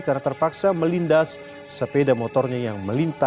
karena terpaksa melindas sepeda motornya yang melintas